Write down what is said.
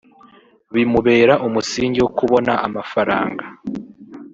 bimubera umusingi wo kubona amafaranga